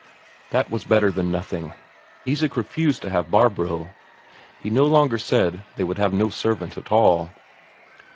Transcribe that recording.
That was better than nothing; Isak refused to have Barbro; he no longer said they would have no servant at all.